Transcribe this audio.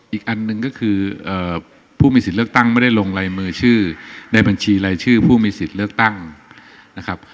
อีกอันหนึ่งก็คือผู้มีสิทธิ์เลือกตั้งไม่ได้ลงลายมือชื่อในบัญชีรายชื่อผู้มีสิทธิ์เลือกตั้งนะครับ